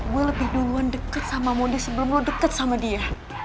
gue lebih duluan deket sama mondi sebelum lo deket sama dia